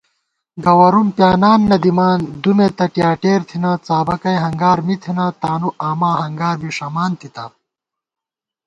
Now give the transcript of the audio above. گوَرُوم پیانان نہ دِمان دُمے تہ ٹیاٹېر تھنہ * څابَکئی ہنگار می تھنہ، تانُو آما ہنگار بی ݭمان تِتا